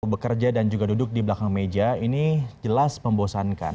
bekerja dan juga duduk di belakang meja ini jelas membosankan